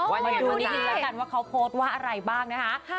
มาดูดีกันว่าเขาโพสต์ว่าอะไรบ้างนะคะ